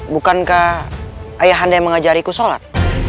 bukankah ayahanda yang mengajariku sholat